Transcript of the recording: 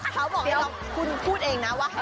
เขาบอกให้เราคุณพูดเองนะว่าเราพร้อมกัน